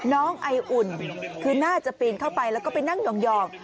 น้องไออุ่นคือน่าจะปีนเข้าไปแล้วก็ไปนั่งยอง